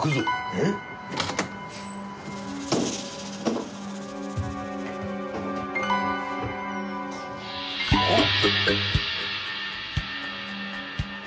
えっ？あっ。